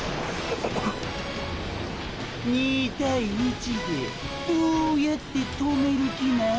２対１でドゥやって止める気なん？